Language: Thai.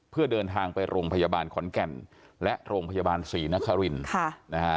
เพื่อเดินทางไปโรงพยาบาลขอนแก่นและโรงพยาบาลศรีนครินค่ะนะฮะ